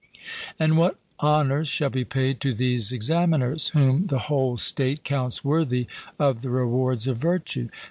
And what honours shall be paid to these examiners, whom the whole state counts worthy of the rewards of virtue?